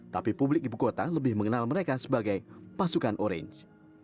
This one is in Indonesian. tapi publik ibu kota lebih mengenal mereka sebagai pasukan orange